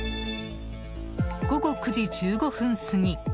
午後９時１５分過ぎ。